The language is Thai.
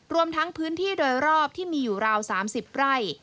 รวมทั้งพื้นที่โดยรอบที่มีอยู่ราว๓๐ไร่